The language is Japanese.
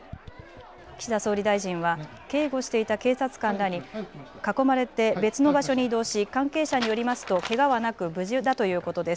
岸田総理大臣は警護していた警察官らに囲まれて別の場所に移動し関係者によりますとけがはなく無事だということです。